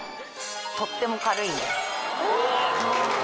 とっても軽いんです。